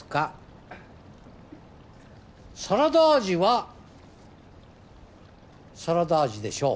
サラダ味はサラダ味でしょう。